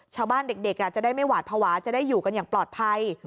ชาวบ้านเด็กจะได้ไม่หวาดภาวะจะได้อยู่กันอย่างปลอดภัย